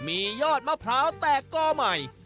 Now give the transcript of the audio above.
มียอดมะพร้าวแตกกอใหม่